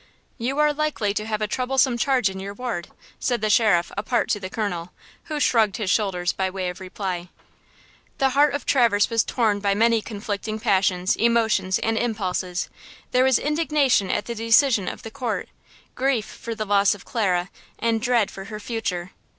"You are likely to have a troublesome charge in your ward," said the sheriff apart to the colonel, who shrugged his shoulders by way of reply. The heart of Traverse was torn by many conflicting passions, emotions and impulses; there was indignation at the decision of the court; grief for the loss of Clara, and dread for her future!